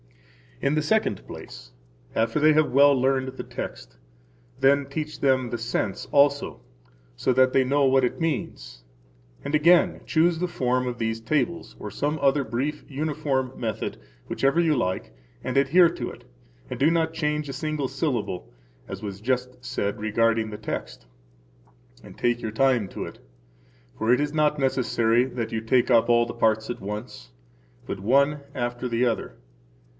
In the second place, after they have well learned the text, then teach them the sense also, so that they know what it means, and again choose the form of these tables, or some other brief uniform method, whichever you like, and adhere to it, and do not change a single syllable, as was just said regarding the text; and take your time to it. For it is not necessary that you take up all the parts at once, but one after the other.